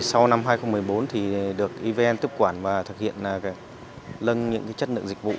sau năm hai nghìn một mươi bốn thì được evn tiếp quản và thực hiện lân những chất lượng dịch vụ